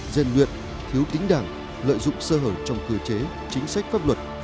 dên luyện thiếu tính đảng lợi dụng sơ hởi trong cơ chế chính sách pháp luật